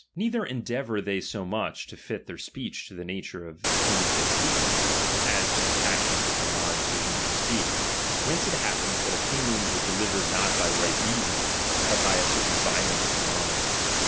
Neither r endeavour they so much to fit their speech to the nature of the things they speak of, as to the pas sions of their minds to whom they speak ; whence it happens, that opinions are delivered not by right reason, but by a certain violence of mind.